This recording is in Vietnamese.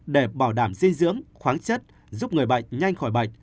để bảo đảm dinh dưỡng khoáng chất giúp người bệnh nhanh khỏi bệnh